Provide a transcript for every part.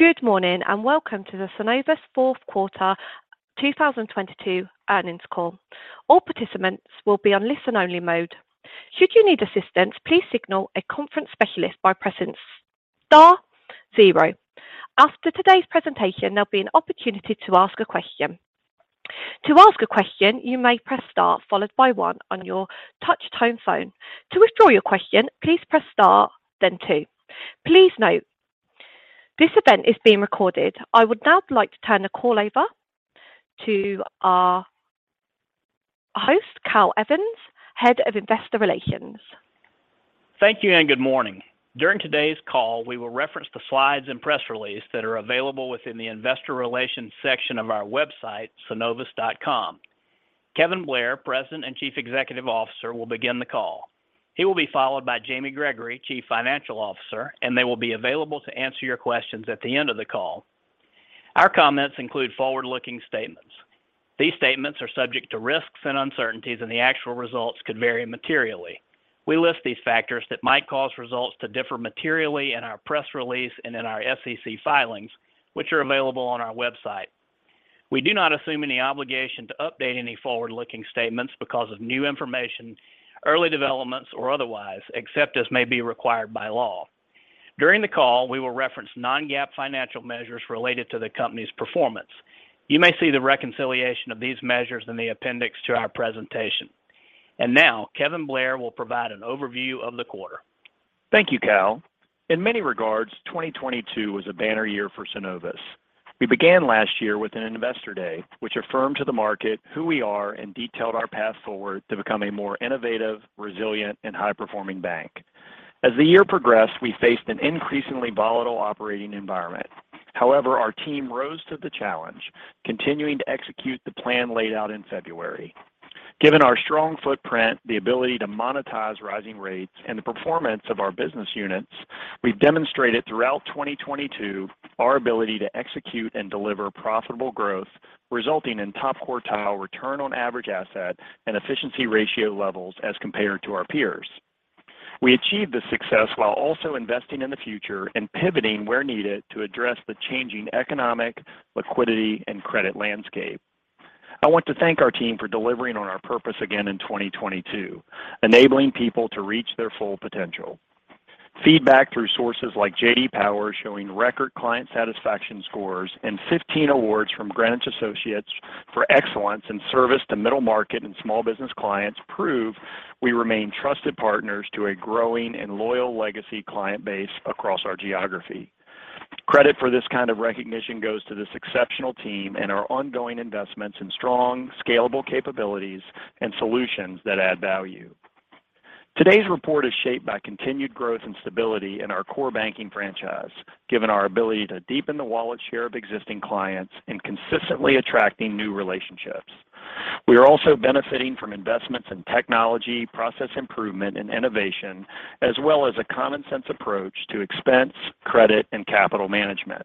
The Good morning, welcome to the Synovus fourth quarter 2022 earnings call. All participants will be on listen-only mode. Should you need assistance, please signal a conference specialist by pressing star zero. After today's presentation, there'll be an opportunity to ask a question. To ask a question, you may press star followed by one on your touch-tone phone. To withdraw your question, please press star, then two. Please note, this event is being recorded. I would now like to turn the call over to our host, Cal Evans, Head of Investor Relations. Thank you, good morning. During today's call, we will reference the slides and press release that are available within the investor relations section of our website, synovus.com. Kevin Blair, President and Chief Executive Officer, will begin the call. He will be followed by Jamie Gregory, Chief Financial Officer. They will be available to answer your questions at the end of the call. Our comments include forward-looking statements. These statements are subject to risks and uncertainties. The actual results could vary materially. We list these factors that might cause results to differ materially in our press release and in our SEC filings, which are available on our website. We do not assume any obligation to update any forward-looking statements because of new information, early developments, or otherwise, except as may be required by law. During the call, we will reference non-GAAP financial measures related to the company's performance. You may see the reconciliation of these measures in the appendix to our presentation. Now, Kevin Blair will provide an overview of the quarter. Thank you, Cal. In many regards, 2022 was a banner year for Synovus. We began last year with an Investor Day, which affirmed to the market who we are and detailed our path forward to become a more innovative, resilient, and high-performing bank. As the year progressed, we faced an increasingly volatile operating environment. However, our team rose to the challenge, continuing to execute the plan laid out in February. Given our strong footprint, the ability to monetize rising rates, and the performance of our business units, we've demonstrated throughout 2022 our ability to execute and deliver profitable growth, resulting in top-quartile return on average asset and efficiency ratio levels as compared to our peers. We achieved this success while also investing in the future and pivoting where needed to address the changing economic, liquidity, and credit landscape. I want to thank our team for delivering on our purpose again in 2022, enabling people to reach their full potential. Feedback through sources like J.D. Power showing record client satisfaction scores and 15 awards from Greenwich Associates for excellence in service to middle market and small business clients prove we remain trusted partners to a growing and loyal legacy client base across our geography. Credit for this kind of recognition goes to this exceptional team and our ongoing investments in strong, scalable capabilities and solutions that add value. Today's report is shaped by continued growth and stability in our core banking franchise, given our ability to deepen the wallet share of existing clients and consistently attracting new relationships. We are also benefiting from investments in technology, process improvement, and innovation, as well as a common-sense approach to expense, credit, and capital management.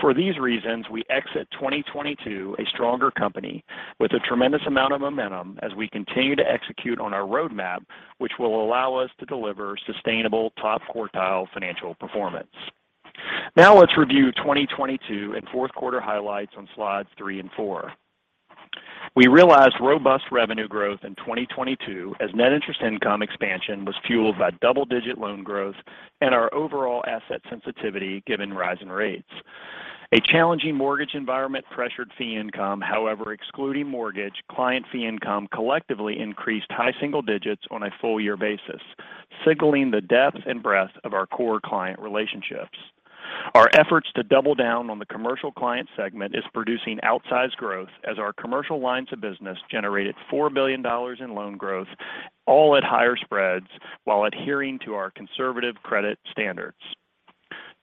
For these reasons, we exit 2022 a stronger company with a tremendous amount of momentum as we continue to execute on our roadmap, which will allow us to deliver sustainable top-quartile financial performance. Let's review 2022 and fourth quarter highlights on slides 3 and 4. We realized robust revenue growth in 2022 as net interest income expansion was fueled by double-digit loan growth and our overall asset sensitivity given rising rates. A challenging mortgage environment pressured fee income. Excluding mortgage, client fee income collectively increased high single digits on a full year basis, signaling the depth and breadth of our core client relationships. Our efforts to double down on the commercial client segment is producing outsized growth as our commercial lines of business generated $4 billion in loan growth, all at higher spreads, while adhering to our conservative credit standards.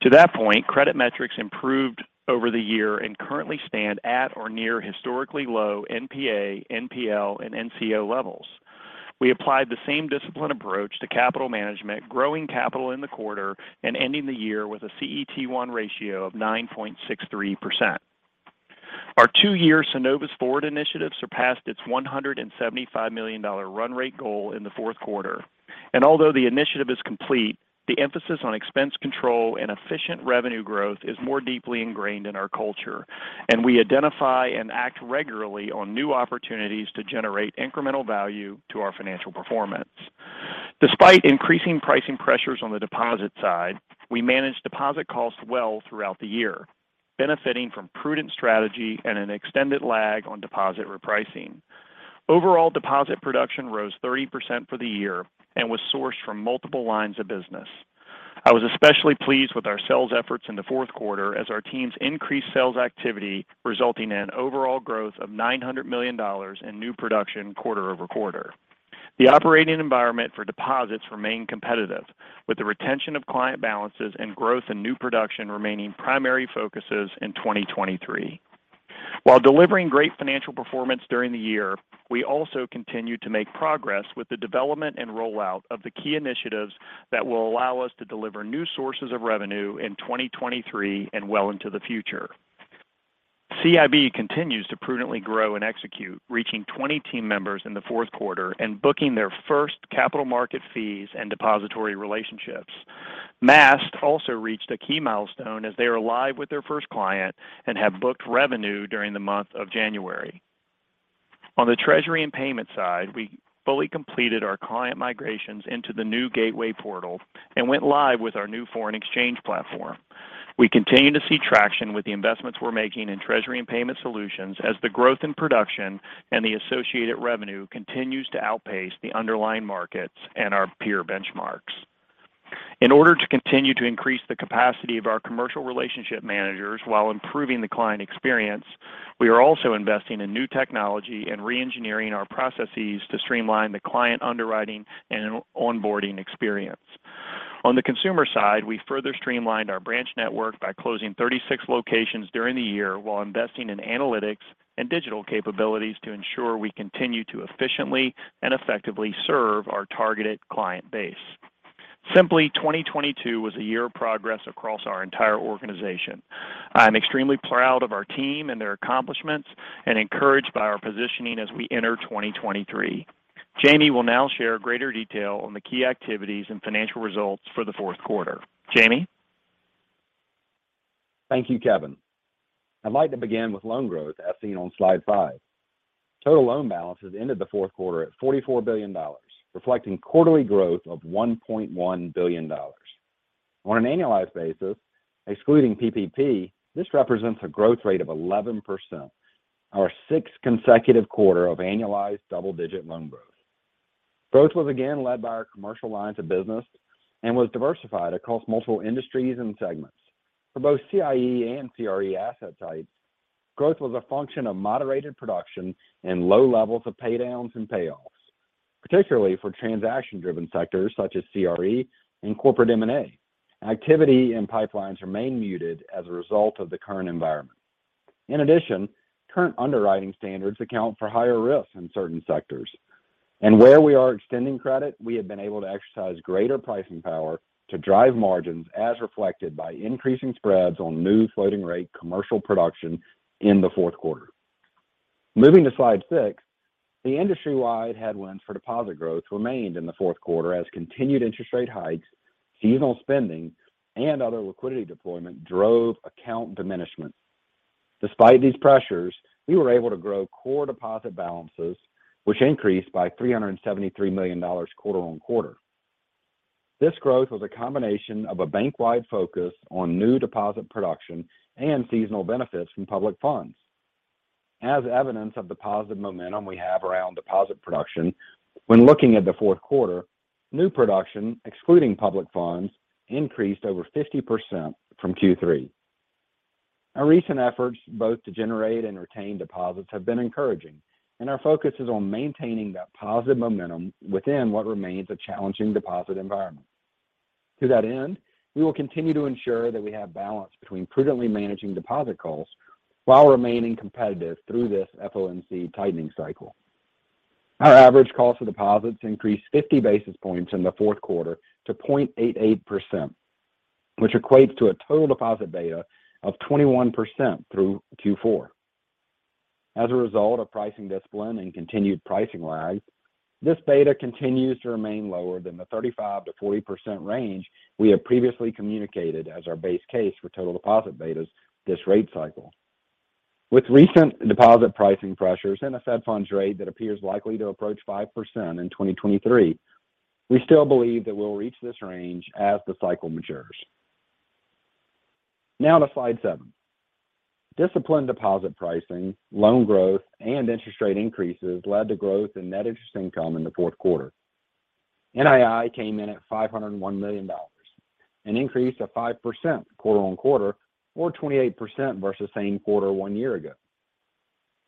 To that point, credit metrics improved over the year and currently stand at or near historically low NPA, NPL, and NCO levels. We applied the same disciplined approach to capital management, growing capital in the quarter and ending the year with a CET1 ratio of 9.63%. Our two-year Synovus Forward initiative surpassed its $175 million run rate goal in the fourth quarter. Although the initiative is complete, the emphasis on expense control and efficient revenue growth is more deeply ingrained in our culture, and we identify and act regularly on new opportunities to generate incremental value to our financial performance. Despite increasing pricing pressures on the deposit side, we managed deposit costs well throughout the year, benefiting from prudent strategy and an extended lag on deposit repricing. Overall deposit production rose 30% for the year and was sourced from multiple lines of business. I was especially pleased with our sales efforts in the fourth quarter as our teams increased sales activity, resulting in overall growth of $900 million in new production quarter-over-quarter. The operating environment for deposits remain competitive, with the retention of client balances and growth in new production remaining primary focuses in 2023. While delivering great financial performance during the year, we also continued to make progress with the development and rollout of the key initiatives that will allow us to deliver new sources of revenue in 2023 and well into the future. CIB continues to prudently grow and execute, reaching 20 team members in the fourth quarter and booking their first capital market fees and depository relationships. Maast also reached a key milestone as they are live with their first client and have booked revenue during the month of January. On the treasury and payment side, we fully completed our client migrations into the new gateway portal and went live with our new foreign exchange platform. We continue to see traction with the investments we're making in treasury and payment solutions as the growth in production and the associated revenue continues to outpace the underlying markets and our peer benchmarks. In order to continue to increase the capacity of our commercial relationship managers while improving the client experience, we are also investing in new technology and re-engineering our processes to streamline the client underwriting and onboarding experience. On the consumer side, we further streamlined our branch network by closing 36 locations during the year while investing in analytics and digital capabilities to ensure we continue to efficiently and effectively serve our targeted client base. 2022 was a year of progress across our entire organization. I'm extremely proud of our team and their accomplishments and encouraged by our positioning as we enter 2023. Jamie will now share greater detail on the key activities and financial results for the fourth quarter. Jamie? Thank you, Kevin. I'd like to begin with loan growth as seen on slide 5. Total loan balances ended the fourth quarter at $44 billion, reflecting quarterly growth of $1.1 billion. On an annualized basis, excluding PPP, this represents a growth rate of 11%, our sixth consecutive quarter of annualized double-digit loan growth. Growth was again led by our commercial lines of business and was diversified across multiple industries and segments. For both C&I and CRE asset types, growth was a function of moderated production and low levels of pay downs and payoffs, particularly for transaction-driven sectors such as CRE and corporate M&A. Activity and pipelines remain muted as a result of the current environment. In addition, current underwriting standards account for higher risks in certain sectors. Where we are extending credit, we have been able to exercise greater pricing power to drive margins as reflected by increasing spreads on new floating rate commercial production in the fourth quarter. Moving to slide 6, the industry-wide headwinds for deposit growth remained in the fourth quarter as continued interest rate hikes, seasonal spending, and other liquidity deployment drove account diminishment. Despite these pressures, we were able to grow core deposit balances, which increased by $373 million quarter-on-quarter. This growth was a combination of a bank-wide focus on new deposit production and seasonal benefits from public funds. As evidence of deposit momentum we have around deposit production, when looking at the fourth quarter, new production, excluding public funds, increased over 50% from Q3. Our recent efforts both to generate and retain deposits have been encouraging. Our focus is on maintaining that positive momentum within what remains a challenging deposit environment. To that end, we will continue to ensure that we have balance between prudently managing deposit calls while remaining competitive through this FOMC tightening cycle. Our average cost of deposits increased 50 basis points in the fourth quarter to 0.88%, which equates to a total deposit beta of 21% through Q4. As a result of pricing discipline and continued pricing lags, this beta continues to remain lower than the 35%-40% range we have previously communicated as our base case for total deposit betas this rate cycle. With recent deposit pricing pressures and a Fed funds rate that appears likely to approach 5% in 2023, we still believe that we'll reach this range as the cycle matures. To slide 7. Disciplined deposit pricing, loan growth, and interest rate increases led to growth in net interest income in the fourth quarter. NII came in at $501 million, an increase of 5% quarter-on-quarter or 28% versus same quarter 1 year ago.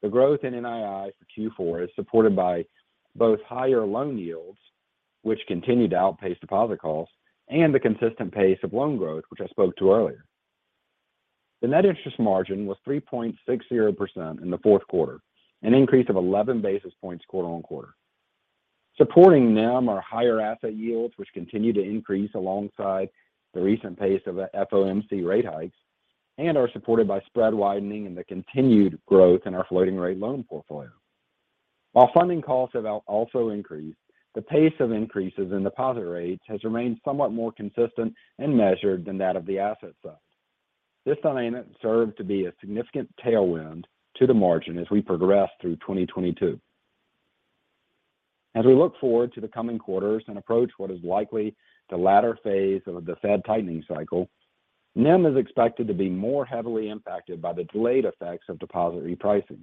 The growth in NII for Q4 is supported by both higher loan yields, which continue to outpace deposit costs, and the consistent pace of loan growth, which I spoke to earlier. The net interest margin was 3.60% in the fourth quarter, an increase of 11 basis points quarter-on-quarter. Supporting NIM are higher asset yields, which continue to increase alongside the recent pace of the FOMC rate hikes and are supported by spread widening and the continued growth in our floating rate loan portfolio. While funding costs have also increased, the pace of increases in deposit rates has remained somewhat more consistent and measured than that of the asset side. This dynamic served to be a significant tailwind to the margin as we progress through 2022. As we look forward to the coming quarters and approach what is likely the latter phase of the Fed tightening cycle, NIM is expected to be more heavily impacted by the delayed effects of deposit repricing.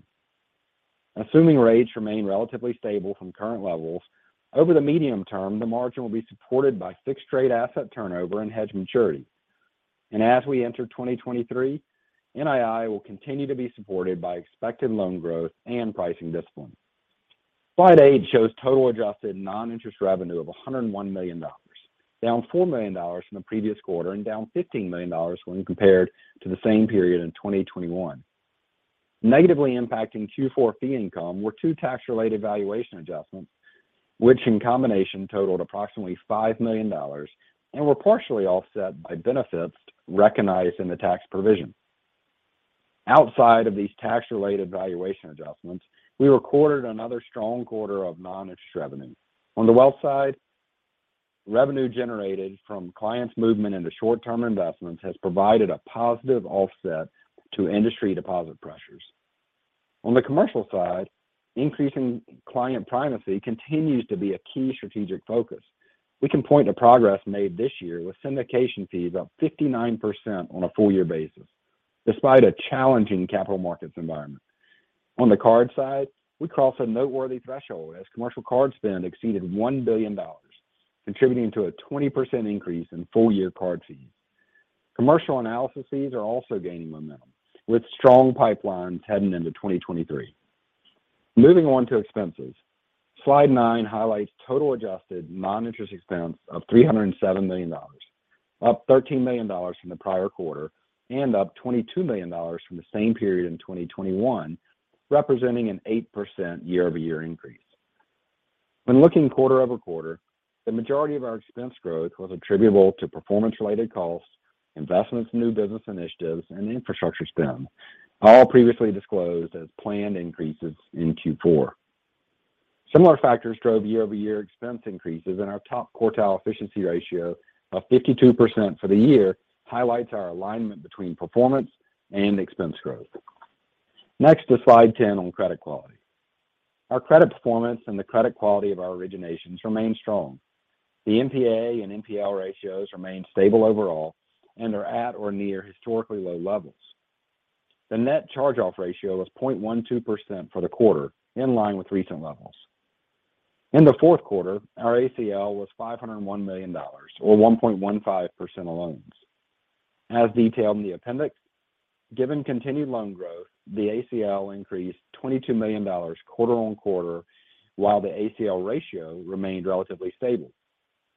Assuming rates remain relatively stable from current levels, over the medium term, the margin will be supported by fixed rate asset turnover and hedge maturity. As we enter 2023, NII will continue to be supported by expected loan growth and pricing discipline. Slide 8 shows total adjusted non-interest revenue of $101 million, down $4 million from the previous quarter and down $15 million when compared to the same period in 2021. Negatively impacting Q4 fee income were 2 tax-related valuation adjustments which in combination totaled approximately $5 million and were partially offset by benefits recognized in the tax provision. Outside of these tax-related valuation adjustments, we recorded another strong quarter of non-interest revenue. On the wealth side, revenue generated from clients' movement into short-term investments has provided a positive offset to industry deposit pressures. On the commercial side, increasing client primacy continues to be a key strategic focus. We can point to progress made this year with syndication fees up 59% on a full year basis despite a challenging capital markets environment. On the card side, we crossed a noteworthy threshold as commercial card spend exceeded $1 billion, contributing to a 20% increase in full-year card fees. Commercial analysis fees are also gaining momentum, with strong pipelines heading into 2023. Moving on to expenses. Slide 9 highlights total adjusted non-interest expense of $307 million, up $13 million from the prior quarter and up $22 million from the same period in 2021, representing an 8% year-over-year increase. When looking quarter-over-quarter, the majority of our expense growth was attributable to performance-related costs, investments in new business initiatives, and infrastructure spend, all previously disclosed as planned increases in Q4. Similar factors drove year-over-year expense increases. Our top quartile efficiency ratio of 52% for the year highlights our alignment between performance and expense growth. Next is slide 10 on credit quality. Our credit performance and the credit quality of our originations remain strong. The NPA and NPL ratios remain stable overall and are at or near historically low levels. The net charge-off ratio was 0.12% for the quarter, in line with recent levels. In the fourth quarter, our ACL was $501 million or 1.15% of loans. As detailed in the appendix, given continued loan growth, the ACL increased $22 million quarter-on-quarter while the ACL ratio remained relatively stable.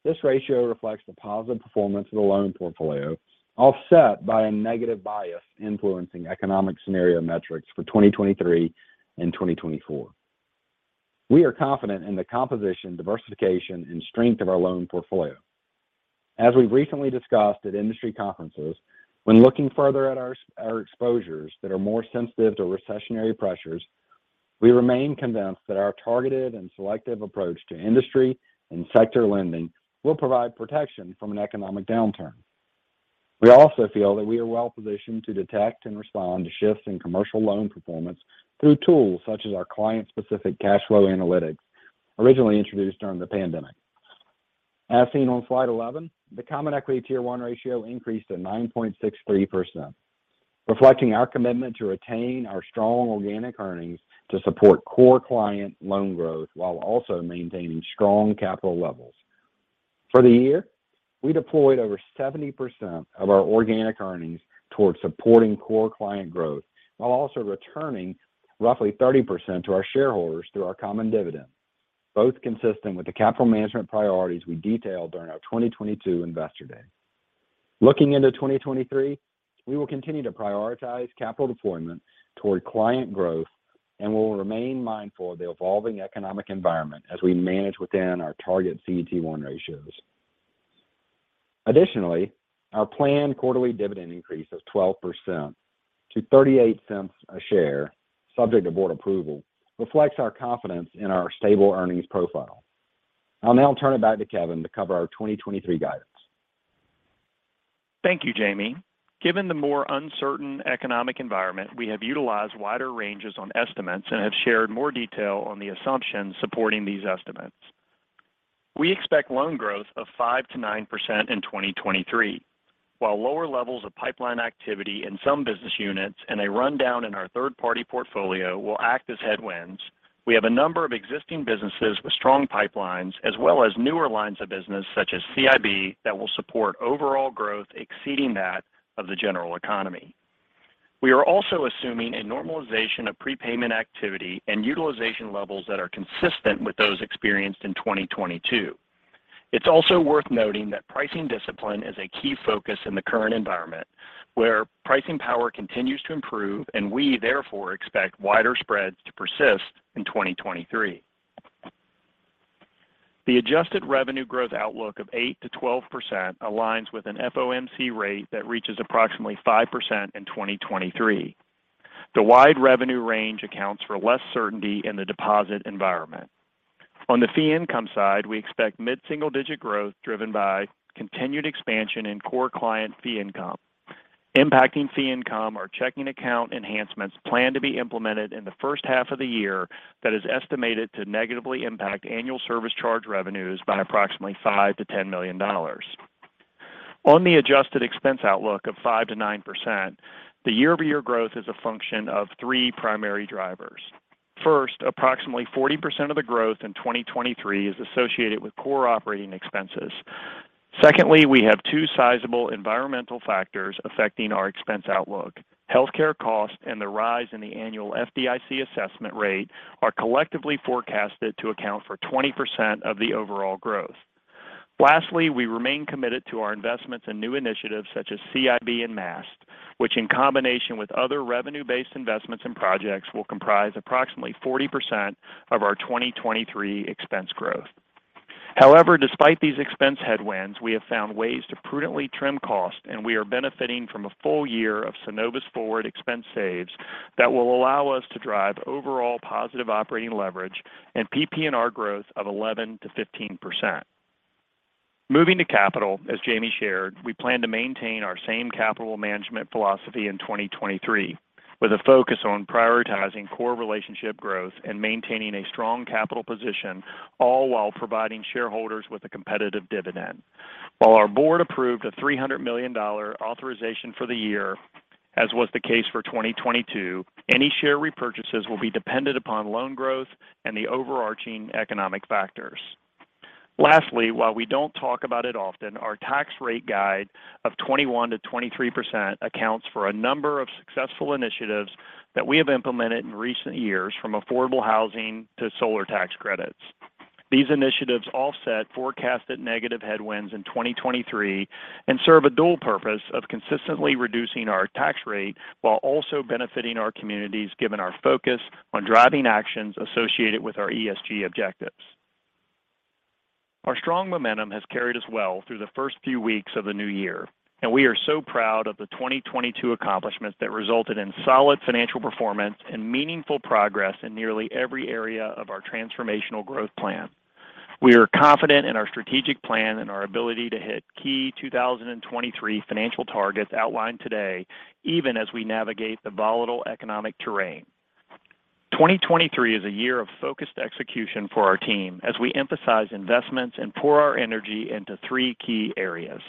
This ratio reflects the positive performance of the loan portfolio, offset by a negative bias influencing economic scenario metrics for 2023 and 2024. We are confident in the composition, diversification, and strength of our loan portfolio. As we've recently discussed at industry conferences, when looking further at our exposures that are more sensitive to recessionary pressures, we remain convinced that our targeted and selective approach to industry and sector lending will provide protection from an economic downturn. We also feel that we are well-positioned to detect and respond to shifts in commercial loan performance through tools such as our client-specific cash flow analytics, originally introduced during the pandemic. As seen on slide 11, the Common Equity Tier 1 ratio increased to 9.63%, reflecting our commitment to retain our strong organic earnings to support core client loan growth while also maintaining strong capital levels. For the year, we deployed over 70% of our organic earnings towards supporting core client growth while also returning roughly 30% to our shareholders through our common dividend, both consistent with the capital management priorities we detailed during our 2022 Investor Day. Looking into 2023, we will continue to prioritize capital deployment toward client growth and will remain mindful of the evolving economic environment as we manage within our target CET1 ratios. Additionally, our planned quarterly dividend increase of 12% to $0.38 a share, subject to board approval, reflects our confidence in our stable earnings profile. I'll now turn it back to Kevin to cover our 2023 guidance. Thank you, Jamie. Given the more uncertain economic environment, we have utilized wider ranges on estimates and have shared more detail on the assumptions supporting these estimates. We expect loan growth of 5%-9% in 2023. While lower levels of pipeline activity in some business units and a rundown in our third-party portfolio will act as headwinds, we have a number of existing businesses with strong pipelines as well as newer lines of business such as CIB that will support overall growth exceeding that of the general economy. We are also assuming a normalization of prepayment activity and utilization levels that are consistent with those experienced in 2022. It's also worth noting that pricing discipline is a key focus in the current environment, where pricing power continues to improve and we therefore expect wider spreads to persist in 2023. The adjusted revenue growth outlook of 8%-12% aligns with an FOMC rate that reaches approximately 5% in 2023. The wide revenue range accounts for less certainty in the deposit environment. On the fee income side, we expect mid-single-digit growth driven by continued expansion in core client fee income. Impacting fee income are checking account enhancements planned to be implemented in the first half of the year that is estimated to negatively impact annual service charge revenues by approximately $5 million-$10 million. On the adjusted expense outlook of 5%-9%, the year-over-year growth is a function of three primary drivers. First, approximately 40% of the growth in 2023 is associated with core operating expenses. Secondly, we have two sizable environmental factors affecting our expense outlook. Healthcare costs and the rise in the annual FDIC assessment rate are collectively forecasted to account for 20% of the overall growth. We remain committed to our investments and new initiatives such as CIB and Maast, which in combination with other revenue-based investments and projects, will comprise approximately 40% of our 2023 expense growth. Despite these expense headwinds, we have found ways to prudently trim costs, and we are benefiting from a full year of Synovus Forward expense saves that will allow us to drive overall positive operating leverage and PP&R growth of 11%-15%. Moving to capital, as Jamie shared, we plan to maintain our same capital management philosophy in 2023, with a focus on prioritizing core relationship growth and maintaining a strong capital position, all while providing shareholders with a competitive dividend. While our board approved a $300 million authorization for the year, as was the case for 2022, any share repurchases will be dependent upon loan growth and the overarching economic factors. Lastly, while we don't talk about it often, our tax rate guide of 21%-23% accounts for a number of successful initiatives that we have implemented in recent years, from affordable housing to solar tax credits. These initiatives offset forecasted negative headwinds in 2023 and serve a dual purpose of consistently reducing our tax rate while also benefiting our communities given our focus on driving actions associated with our ESG objectives. Our strong momentum has carried us well through the first few weeks of the new year, and we are so proud of the 2022 accomplishments that resulted in solid financial performance and meaningful progress in nearly every area of our transformational growth plan. We are confident in our strategic plan and our ability to hit key 2023 financial targets outlined today, even as we navigate the volatile economic terrain. 2023 is a year of focused execution for our team as we emphasize investments and pour our energy into three key areas.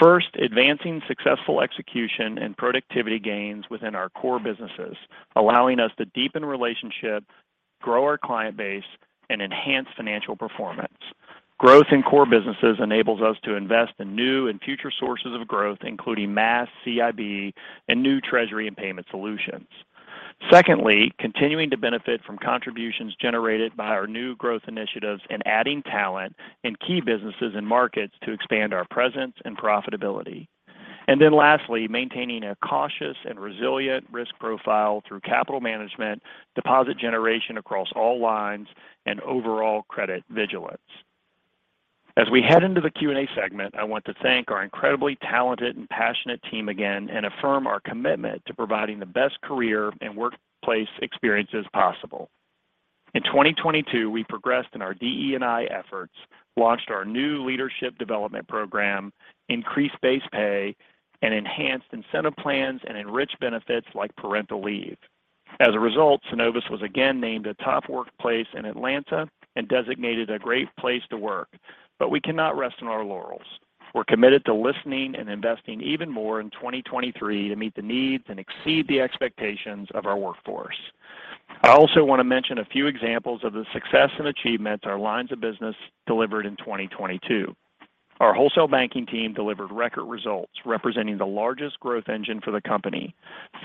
First, advancing successful execution and productivity gains within our core businesses, allowing us to deepen relationships, grow our client base, and enhance financial performance. Growth in core businesses enables us to invest in new and future sources of growth, including Ma, CIB, and new treasury and payment solutions. Secondly, continuing to benefit from contributions generated by our new growth initiatives and adding talent in key businesses and markets to expand our presence and profitability. Lastly, maintaining a cautious and resilient risk profile through capital management, deposit generation across all lines, and overall credit vigilance. As we head into the Q&A segment, I want to thank our incredibly talented and passionate team again and affirm our commitment to providing the best career and workplace experiences possible. In 2022, we progressed in our DE&I efforts, launched our new leadership development program, increased base pay, and enhanced incentive plans and enriched benefits like parental leave. As a result, Synovus was again named a top workplace in Atlanta and designated a great place to work. We cannot rest on our laurels. We're committed to listening and investing even more in 2023 to meet the needs and exceed the expectations of our workforce. I also want to mention a few examples of the success and achievements our lines of business delivered in 2022. Our wholesale banking team delivered record results, representing the largest growth engine for the company.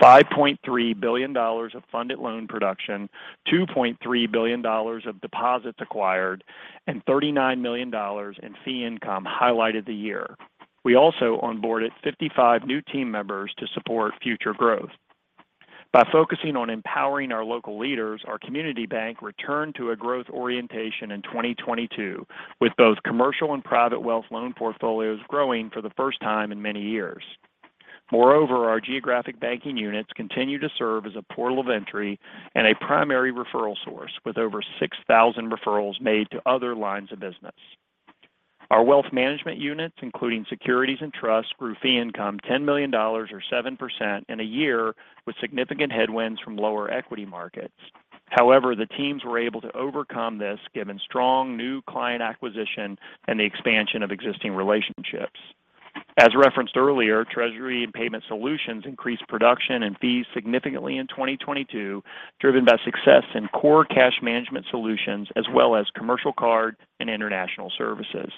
$5.3 billion of funded loan production, $2.3 billion of deposits acquired, and $39 million in fee income highlighted the year. We also onboarded 55 new team members to support future growth. By focusing on empowering our local leaders, our community bank returned to a growth orientation in 2022, with both commercial and private wealth loan portfolios growing for the first time in many years. Moreover, our geographic banking units continue to serve as a portal of entry and a primary referral source, with over 6,000 referrals made to other lines of business. Our wealth management units, including securities and trust, grew fee income $10 million or 7% in a year with significant headwinds from lower equity markets. The teams were able to overcome this given strong new client acquisition and the expansion of existing relationships. As referenced earlier, treasury and payment solutions increased production and fees significantly in 2022, driven by success in core cash management solutions as well as commercial card and international services.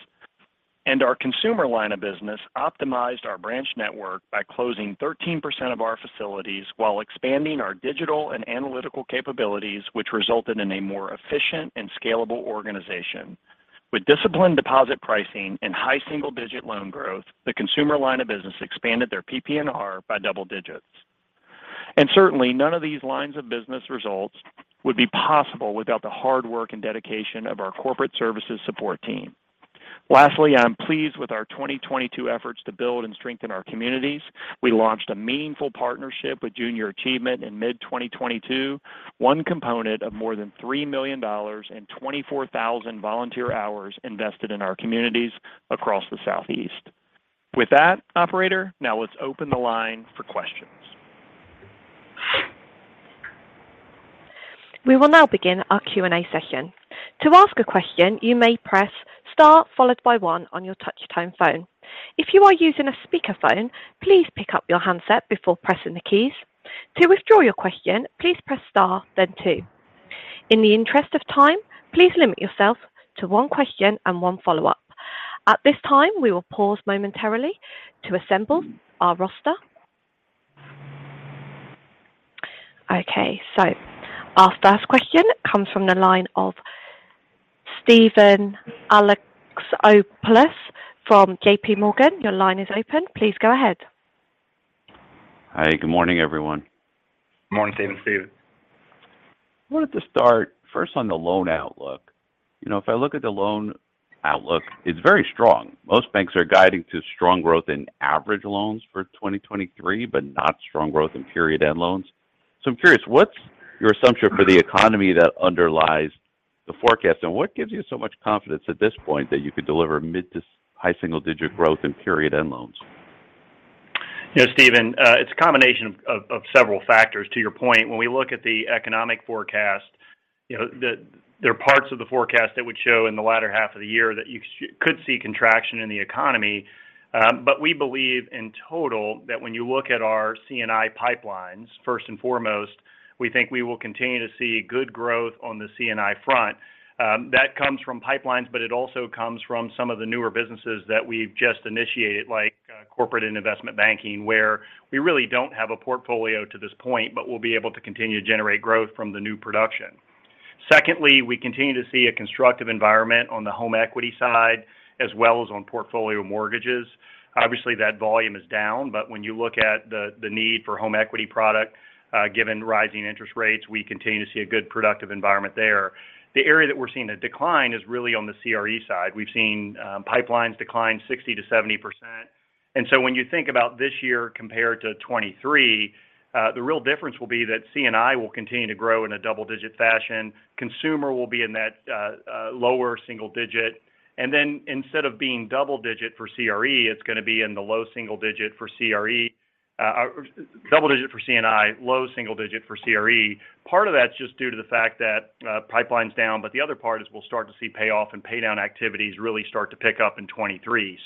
Our consumer line of business optimized our branch network by closing 13% of our facilities while expanding our digital and analytical capabilities, which resulted in a more efficient and scalable organization. With disciplined deposit pricing and high single-digit loan growth, the consumer line of business expanded their PP&R by double digits. Certainly, none of these lines of business results would be possible without the hard work and dedication of our corporate services support team. Lastly, I'm pleased with our 2022 efforts to build and strengthen our communities. We launched a meaningful partnership with Junior Achievement in mid-2022, one component of more than $3 million and 24,000 volunteer hours invested in our communities across the Southeast. With that, operator, now let's open the line for questions. We will now begin our Q&A session. To ask a question, you may press star followed by one on your touch-tone phone. If you are using a speakerphone, please pick up your handset before pressing the keys. To withdraw your question, please press star then two. In the interest of time, please limit yourself to one question and one follow-up. At this time, we will pause momentarily to assemble our roster. Okay. Our first question comes from the line of Steven Alexopoulos from J.P. Morgan. Your line is open. Please go ahead. Hi. Good morning, everyone. Morning to you, Steven. I wanted to start first on the loan outlook. You know, if I look at the loan outlook, it's very strong. Most banks are guiding to strong growth in average loans for 2023, but not strong growth in period end loans. I'm curious, what's your assumption for the economy that underlies the forecast and what gives you so much confidence at this point that you could deliver mid to high single-digit growth in period end loans? You know, Steven, it's a combination of several factors. To your point, when we look at the economic forecast there are parts of the forecast that would show in the latter half of the year that you could see contraction in the economy. We believe in total that when you look at our C&I pipelines, first and foremost, we think we will continue to see good growth on the C&I front. That comes from pipelines, but it also comes from some of the newer businesses that we've just initiated, like corporate and investment banking, where we really don't have a portfolio to this point, but we'll be able to continue to generate growth from the new production. Secondly, we continue to see a constructive environment on the home equity side as well as on portfolio mortgages. Obviously, that volume is down, but when you look at the need for home equity product, given rising interest rates, we continue to see a good productive environment there. The area that we're seeing a decline is really on the CRE side. We've seen pipelines decline 60%-70%. When you think about this year compared to 2023, the real difference will be that C&I will continue to grow in a double-digit fashion. Consumer will be in that lower single digit. Instead of being double digit for CRE, it's gonna be in the low single digit for CRE. Double digit for C&I, low single digit for CRE. Part of that's just due to the fact that pipeline's down, but the other part is we'll start to see payoff and pay down activities really start to pick up in 2023.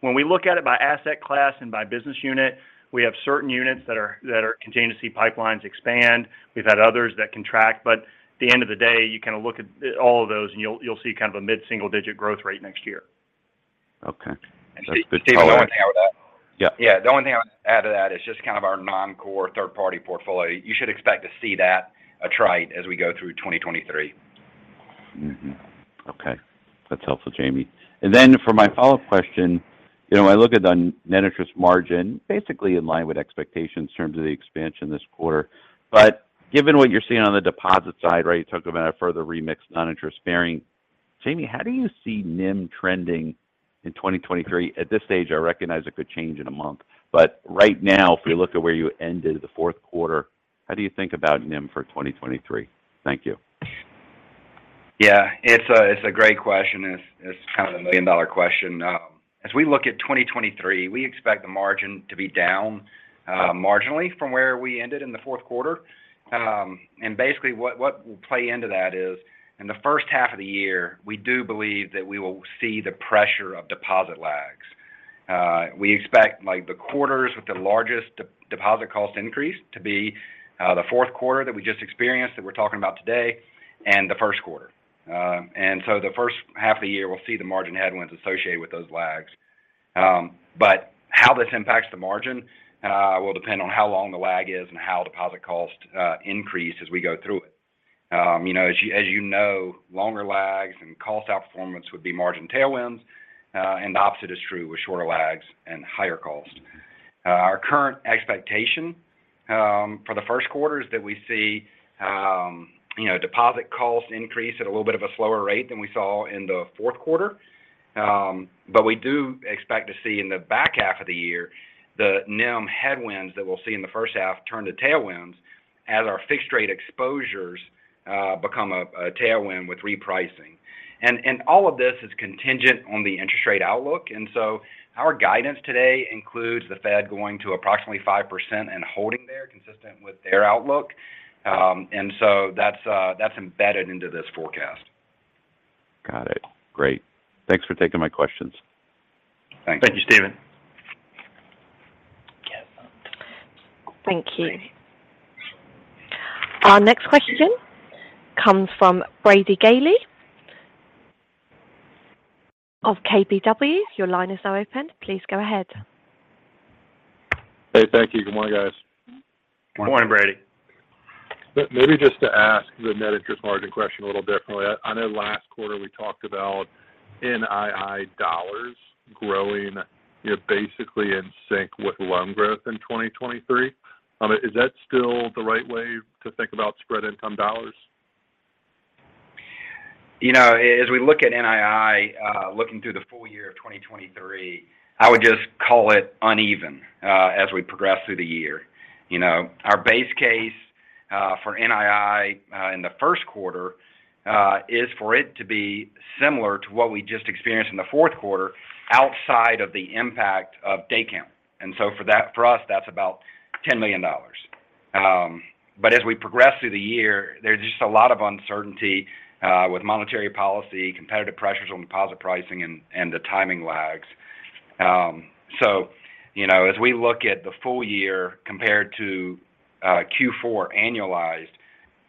When we look at it by asset class and by business unit, we have certain units that are continuing to see pipelines expand. We've had others that contract. At the end of the day, you kind of look at all of those and you'll see kind of a mid-single digit growth rate next year. Okay. That's helpful. Steve- Oh, yeah. Yeah. The only thing I would add to that is just kind of our non-core third-party portfolio. You should expect to see that attrite as we go through 2023. Okay. That's helpful, Jamie. Then for my follow-up question I look at the net interest margin basically in line with expectations in terms of the expansion this quarter. Given what you're seeing on the deposit side, right, you talked about a further remix non-interest bearing. Jamie, how do you see NIM trending in 2023? At this stage, I recognize it could change in a month. Right now, if we look at where you ended the fourth quarter, how do you think about NIM for 2023? Thank you. Yeah. It's a great question. It's, it's kind of the million-dollar question. As we look at 2023, we expect the margin to be down marginally from where we ended in the fourth quarter. Basically what will play into that is in the first half of the year, we do believe that we will see the pressure of deposit lags. We expect like the quarters with the largest deposit cost increase to be the fourth quarter that we just experienced, that we're talking about today and the first quarter. The first half of the year we'll see the margin headwinds associated with those lags. How this impacts the margin will depend on how long the lag is and how deposit costs increase as we go through it. You know, as you know, longer lags and cost outperformance would be margin tailwinds, and the opposite is true with shorter lags and higher costs. Our current expectation for the first quarter is that we see deposit costs increase at a little bit of a slower rate than we saw in the fourth quarter. We do expect to see in the back half of the year, the NIM headwinds that we'll see in the first half turn to tailwinds as our fixed rate exposures become a tailwind with repricing. And all of this is contingent on the interest rate outlook. Our guidance today includes the Fed going to approximately 5% and holding there consistent with their outlook. That's embedded into this forecast. Got it. Great. Thanks for taking my questions. Thank you. Thank you, Steven. Thank you. Our next question comes from Brady Gailey of KBW. Your line is now open. Please go ahead. Hey, thank you. Good morning, guys. Good morning. Morning, Brady. Maybe just to ask the net interest margin question a little differently. I know last quarter we talked about NII dollars growing basically in sync with loan growth in 2023. Is that still the right way to think about spread income dollars? You know, as we look at NII, looking through the full year of 2023, I would just call it uneven as we progress through the year. You know, our base case for NII in the first quarter is for it to be similar to what we just experienced in the fourth quarter outside of the impact of day count. For us, that's about $10 million. As we progress through the year, there's just a lot of uncertainty with monetary policy, competitive pressures on deposit pricing and the timing lags. You know, as we look at the full year compared to Q4 annualized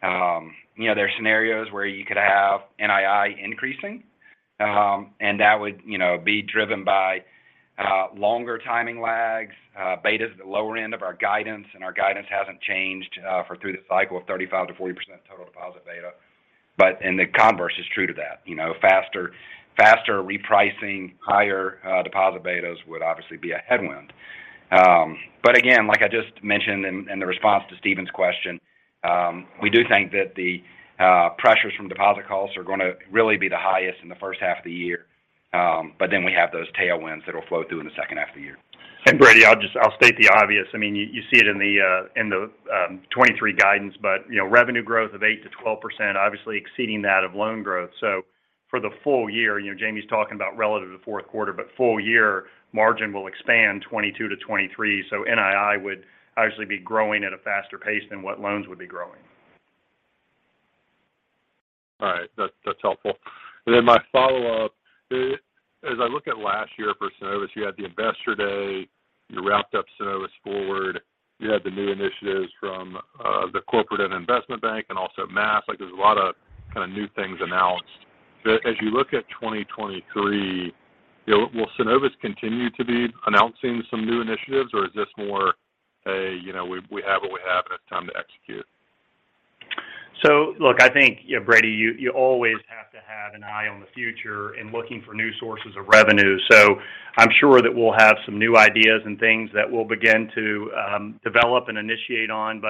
there are scenarios where you could have NII increasing. And that would be driven by longer timing lags, betas at the lower end of our guidance, and our guidance hasn't changed for through the cycle of 35%-40% total deposit beta. The converse is true to that. You know, faster repricing, higher deposit betas would obviously be a headwind. Again, like I just mentioned in the response to Steven's question, we do think that the pressures from deposit costs are gonna really be the highest in the first half of the year. We have those tailwinds that'll flow through in the second half of the year. Brady, I'll state the obvious. I mean, you see it in the '23 guidance. You know, revenue growth of 8%-12% obviously exceeding that of loan growth. For the full year Jamie Gregory's talking about relative to fourth quarter, but full year margin will expand 22-23, NII would actually be growing at a faster pace than what loans would be growing. All right. That's helpful. My follow-up, as I look at last year for Synovus, you had the Investor Day, you wrapped up Synovus Forward, you had the new initiatives from the corporate and investment bank and also Maast. Like, there's a lot of kind of new things announced. As you look at 2023 will Synovus continue to be announcing some new initiatives, or is this more a we have what we have and it's time to execute? Look, I think Brady, you always have to have an eye on the future in looking for new sources of revenue. I'm sure that we'll have some new ideas and things that we'll begin to develop and initiate on.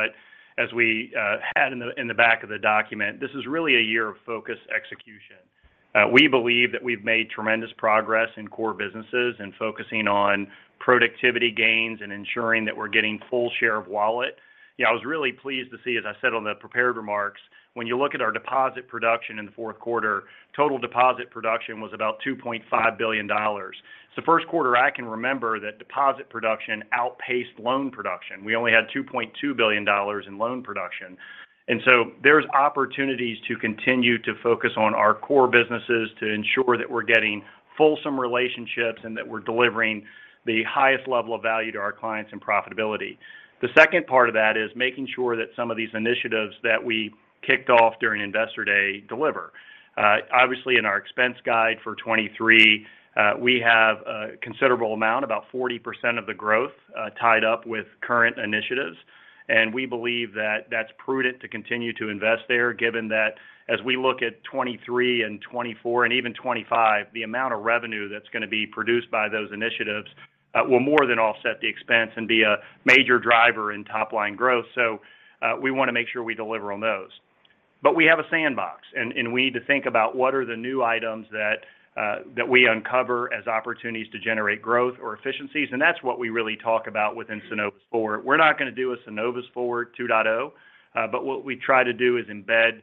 As we had in the back of the document, this is really a year of focused execution. We believe that we've made tremendous progress in core businesses and focusing on productivity gains and ensuring that we're getting full share of wallet. You know, I was really pleased to see, as I said on the prepared remarks, when you look at our deposit production in the fourth quarter, total deposit production was about $2.5 billion. It's the first quarter I can remember that deposit production outpaced loan production. We only had $2.2 billion in loan production. There's opportunities to continue to focus on our core businesses to ensure that we're getting fulsome relationships and that we're delivering the highest level of value to our clients and profitability. The second part of that is making sure that some of these initiatives that we kicked off during Investor Day deliver. Obviously in our expense guide for 2023, we have a considerable amount, about 40% of the growth, tied up with current initiatives. We believe that that's prudent to continue to invest there, given that as we look at 2023 and 2024 and even 2025, the amount of revenue that's gonna be produced by those initiatives will more than offset the expense and be a major driver in top-line growth. We wanna make sure we deliver on those. We have a sandbox and we need to think about what are the new items that we uncover as opportunities to generate growth or efficiencies. That's what we really talk about within Synovus Forward. We're not gonna do a Synovus Forward two dot oh, but what we try to do is embed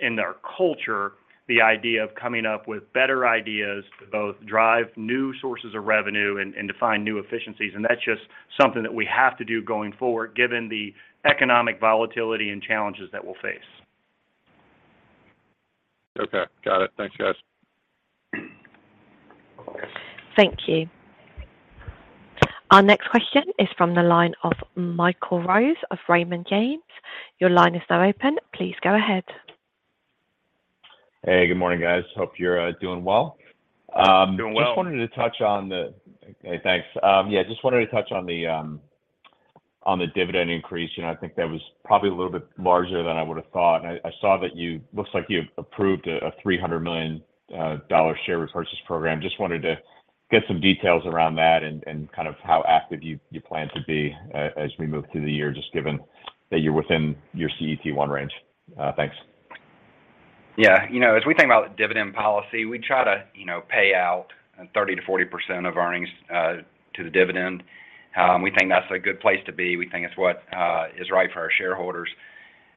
in our culture the idea of coming up with better ideas to both drive new sources of revenue and to find new efficiencies. That's just something that we have to do going forward, given the economic volatility and challenges that we'll face. Okay. Got it. Thanks, guys. Thank you. Our next question is from the line of Michael Rose of Raymond James. Your line is now open. Please go ahead. Hey, good morning, guys. Hope you're doing well. Doing well. Just wanted to touch on the. Hey, thanks. Yeah, just wanted to touch on the on the dividend increase. You know, I think that was probably a little bit larger than I would've thought. I saw that you looks like you've approved a $300 million share repurchase program. Just wanted to get some details around that and kind of how active you plan to be as we move through the year, just given that you're within your CET1 range. Thanks. Yeah. You know, as we think about dividend policy, we try to pay out 30%-40% of earnings to the dividend. We think that's a good place to be. We think it's what is right for our shareholders.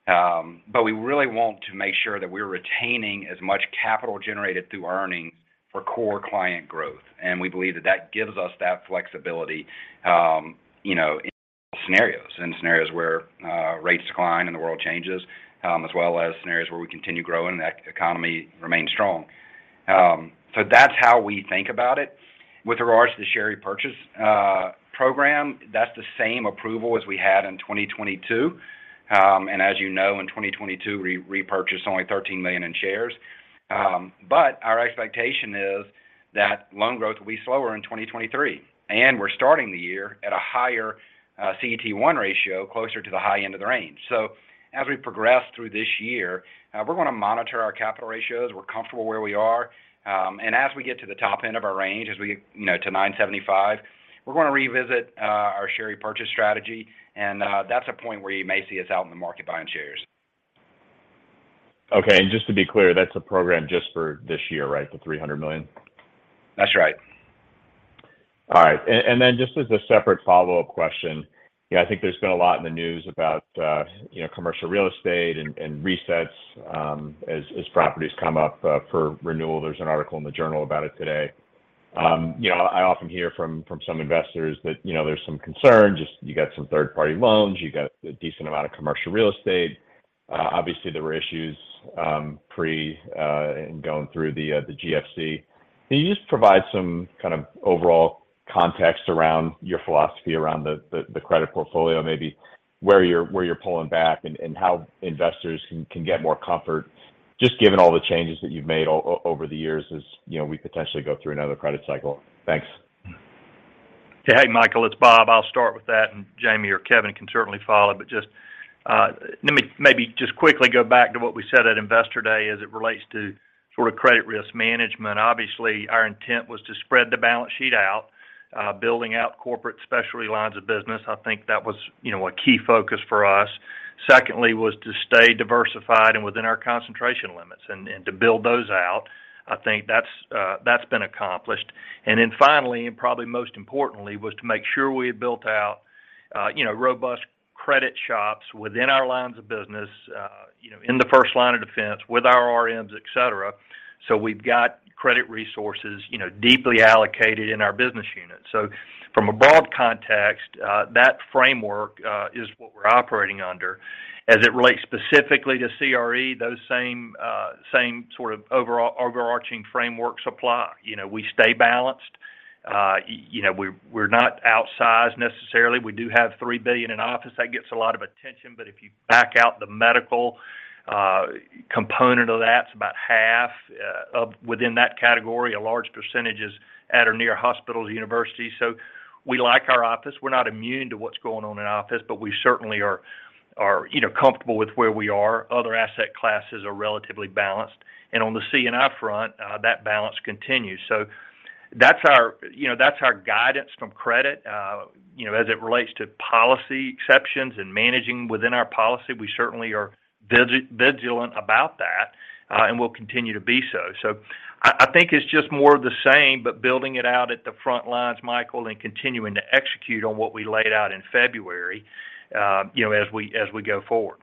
We really want to make sure that we're retaining as much capital generated through earnings for core client growth, and we believe that that gives us that flexibility in scenarios where rates decline and the world changes, as well as scenarios where we continue growing and the economy remains strong. That's how we think about it. With regards to the share repurchase program, that's the same approval as we had in 2022. As you know, in 2022, we repurchased only $13 million in shares. Our expectation is that loan growth will be slower in 2023, and we're starting the year at a higher CET1 ratio, closer to the high end of the range. As we progress through this year, we're gonna monitor our capital ratios. We're comfortable where we are. As we get to the top end of our range, as we get to 9.75, we're gonna revisit our share repurchase strategy. That's a point where you may see us out in the market buying shares. Okay. Just to be clear, that's a program just for this year, right? The $300 million? That's right. All right. Then just as a separate follow-up question I think there's been a lot in the news about commercial real estate and resets as properties come up for renewal. There's an article in the Journal about it today. You know, I often hear from some investors that there's some concern, just you got some third-party loans, you got a decent amount of commercial real estate. Obviously there were issues pre and going through the GFC. Can you just provide some kind of overall context around your philosophy around the credit portfolio maybe? Where you're pulling back and how investors can get more comfort just given all the changes that you've made over the years as we potentially go through another credit cycle. Thanks. Hey, Michael, it's Bob. I'll start with that, and Jamie or Kevin can certainly follow. Just, let me maybe just quickly go back to what we said at Investor Day as it relates to sort of credit risk management. Obviously, our intent was to spread the balance sheet out, building out corporate specialty lines of business. I think that was a key focus for us. Secondly, was to stay diversified and within our concentration limits and to build those out. I think that's been accomplished. Then finally, and probably most importantly, was to make sure we had built out robust credit shops within our lines of business in the first line of defense with our RMs, et cetera. So we've got credit resources deeply allocated in our business units. From a broad context, that framework is what we're operating under. As it relates specifically to CRE, those same sort of overarching frameworks apply. You know, we stay balanced. You know, we're not outsized necessarily. We do have $3 billion in office. That gets a lot of attention, but if you back out the medical component of that, it's about half of within that category. A large percentage is at or near hospitals, universities. We like our office. We're not immune to what's going on in office, but we certainly are comfortable with where we are. Other asset classes are relatively balanced. On the C&I front, that balance continues. That's our that's our guidance from credit. You know, as it relates to policy exceptions and managing within our policy, we certainly are vigilant about that, and will continue to be so. I think it's just more of the same, but building it out at the front lines, Michael, and continuing to execute on what we laid out in February as we go forward.